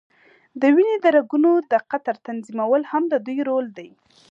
د وینې د رګونو د قطر تنظیمول هم د دوی رول دی.